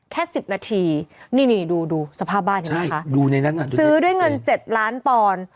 แค่สิบนาทีนี่นี่ดูดูสภาพบ้านนี้นะคะใช่ดูในนั้นซื้อด้วยเงินเจ็ดล้านปอนด์